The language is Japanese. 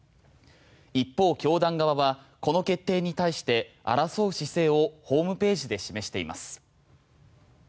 一方、教団側はこの決定に対して争う姿勢をホームページで示しています。